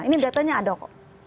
ini datanya ada kok